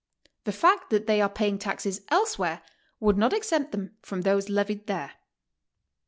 The fact that they are pay ing taxes elsewhere would not exempt them from those levied there.